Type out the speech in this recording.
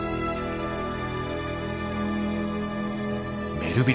メルヴィル